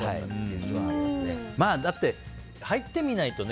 だって入ってみないとね